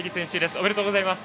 おめでとうございます。